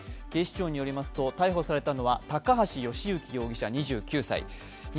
警視庁によりますと、逮捕されたのは高橋慶行容疑者２９歳。